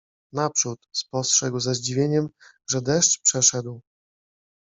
Naprzód spostrzegł ze zdziwieniem, że deszcz przeszedł.